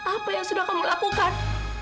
apa yang sudah kamu lakukan